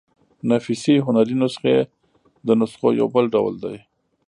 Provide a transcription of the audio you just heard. نفیسي هنري نسخې د نسخو يو بل ډول دﺉ.